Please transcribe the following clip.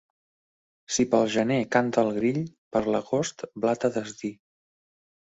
Si pel gener canta el grill, per l'agost blat a desdir.